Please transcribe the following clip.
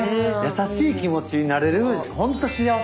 優しい気持ちになれるほんと